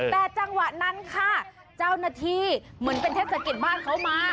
แต่จังหวะนั้นค่ะเจ้าหน้าที่เหมือนเป็นเทศกิจบ้านเขามา